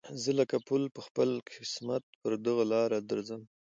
زه لکه پل په خپل قسمت پر دغه لاره درځم